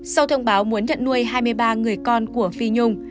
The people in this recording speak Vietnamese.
sau thông báo muốn nhận nuôi hai mươi ba người con của phi nhung